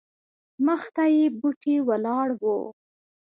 مخته یې بوټې ولاړ وو.